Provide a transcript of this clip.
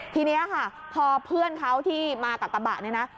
ทีนี้ค่ะพอเพื่อนเขาที่มากับตะบะ